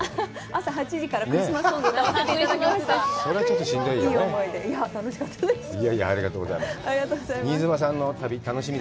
朝８時からクリスマスソングを歌わせていただきました。